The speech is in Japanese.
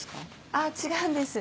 あぁ違うんです。